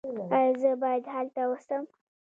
ایا زه باید هلته اوسم؟